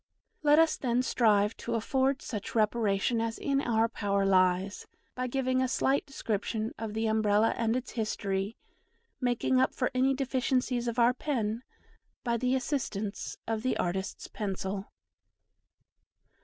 Let us then strive to afford such reparation as in our power lies, by giving a slight description of THE UMBRELLA AND ITS HISTORY, making up for any deficiencies of our pen by the assistance of the artist's pencil.